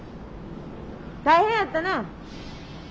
大変やったな。